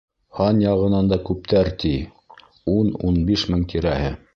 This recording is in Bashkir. — Һан яғынан да күптәр, ти, ун-ун биш мең тирәһе...